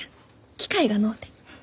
機会がのうて。